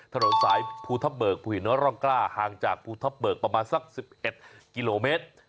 ถนนสายภูทับเบิกภูหินร่องกล้าห่างจากภูทับเบิกประมาณสัก๑๑กิโลเมตร